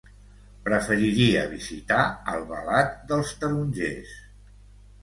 Preferiria visitar Albalat dels Tarongers.